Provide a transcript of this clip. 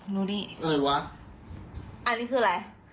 ดูนี่อะไรวะอันนี้คืออะไร